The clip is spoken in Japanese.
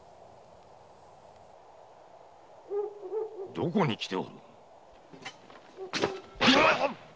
どこに来ておる？